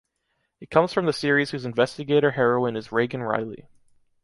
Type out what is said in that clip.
It comes from the series whose investigator heroine is Regan Reilly.